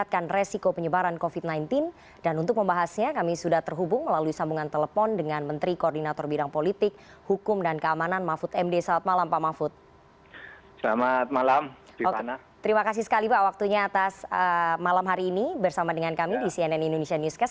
terima kasih sekali pak waktunya atas malam hari ini bersama dengan kami di cnn indonesia newscast